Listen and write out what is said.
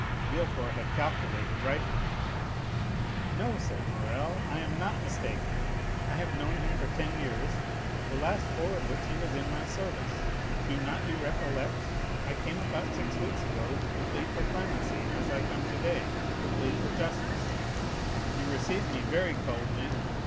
Villefort had calculated rightly. "No," said Morrel; "I am not mistaken. I have known him for ten years, the last four of which he was in my service. Do not you recollect, I came about six weeks ago to plead for clemency, as I come today to plead for justice. You received me very coldly.